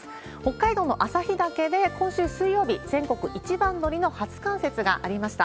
北海道の旭岳で、今週水曜日、全国一番乗りの初冠雪がありました。